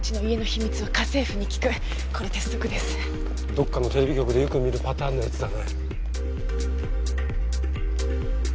どっかのテレビ局でよく見るパターンのやつだね。